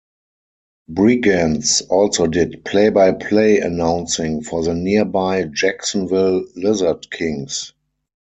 Brigance also did play-by-play announcing for the nearby Jacksonville Lizard Kings.